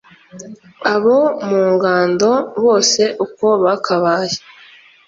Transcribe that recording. abo mu ngando bose uko bakabaye